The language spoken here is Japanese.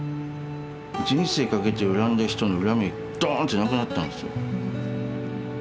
人生かけて恨んだ人の恨みがドーンってなくなったんですよ。